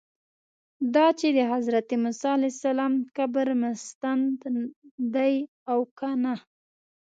دا چې د حضرت موسی علیه السلام قبر مستند دی او که نه.